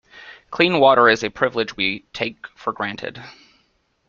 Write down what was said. Clean water is a privilege we take for granted.